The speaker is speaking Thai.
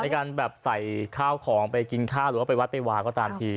การแบบใส่ข้าวของไปกินข้าวหรือว่าไปวัดไปวาก็ตามที